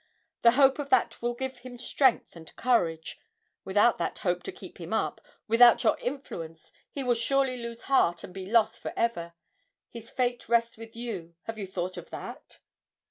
The hope of that will give him strength and courage; without that hope to keep him up, without your influence he will surely lose heart and be lost for ever. His fate rests with you, have you thought of that?'